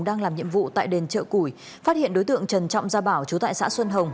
đang làm nhiệm vụ tại đền chợ củi phát hiện đối tượng trần trọng gia bảo chú tại xã xuân hồng